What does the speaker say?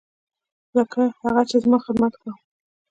لکه هغه چې زما خدمت کاوه.